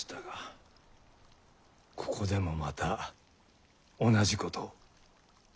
ここでもまた同じことを。